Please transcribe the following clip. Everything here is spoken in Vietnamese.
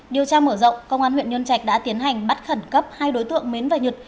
điều tra mở rộng công an huyện nhân trạch đã tiến hành bắt khẩn cấp hai đối tượng mến và nhật